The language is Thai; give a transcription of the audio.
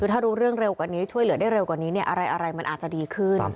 คือถ้ารู้เรื่องเร็วกว่านี้ช่วยเหลือได้เร็วกว่านี้อะไรมันอาจจะดีขึ้น